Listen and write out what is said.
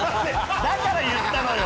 だから言ったのよ！